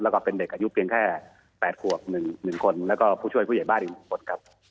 แล้วก็เป็นเด็กอายุเพียงแค่๘ขวบ๑คนแล้วก็ผู้ช่วยผู้ใหญ่บ้านอีก๑คนครับ